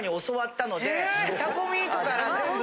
タコミートから全部。